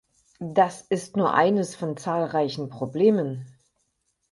Das ist nur eines von zahlreichen Problemen.